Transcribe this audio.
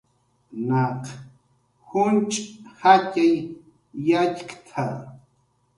"Naq junch' jatxay yatxk""t""a"